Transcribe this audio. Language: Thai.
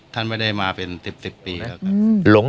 ท่านไม่ได้มาเป็น๑๐ปีแล้วครับ